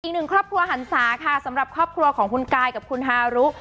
อีกหนึ่งครอบครัวหันศาค่ะสำหรับครอบครัวของคุณกายกับคุณฮารุ